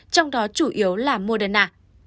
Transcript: trong đó chủ yếu là moderna